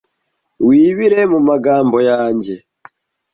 Wibire mumagambo yanjye